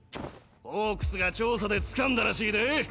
ホークスが調査で掴んだらしいで。